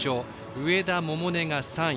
上田百寧が３位。